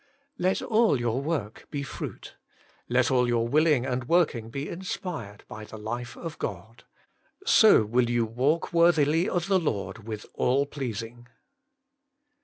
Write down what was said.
3. Let all your vv^ork be fruit ; let all your will ing and working be inspired by the life of God. So will you walk worthily of the Lord with all pleasing.